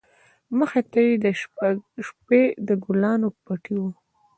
مخې ته يې د شبۍ د گلانو پټى و.